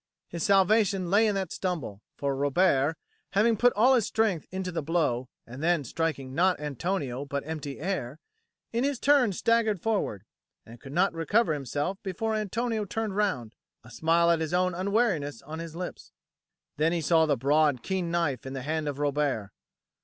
His salvation lay in that stumble, for Robert, having put all his strength into the blow, and then striking not Antonio but empty air, in his turn staggered forward, and could not recover himself before Antonio turned round, a smile at his own unwariness on his lips. Then he saw the broad keen knife in the hand of Robert.